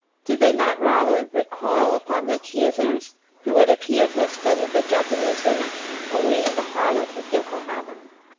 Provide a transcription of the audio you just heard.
Do they not rather recoil upon the accusers, who would appear to have studied the Japanese woman only in the harlot of Yokohama?